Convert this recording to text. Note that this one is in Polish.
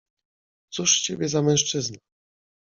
— Cóż z ciebie za mężczyzna?